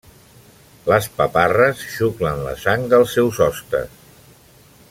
Les paparres xuclen la sang dels seus hostes.